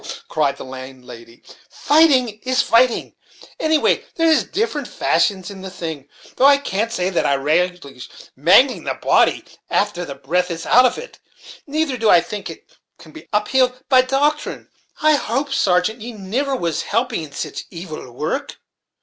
cried the landlady, "fighting is fighting anyway, and there is different fashions in the thing; though I can't say that I relish mangling a body after the breath is out of it; neither do I think it can be uphild by doctrine. I hope, sargeant, ye niver was helping in sich evil worrek."